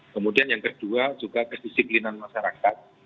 kemudian yang kedua juga kedisiplinan masyarakat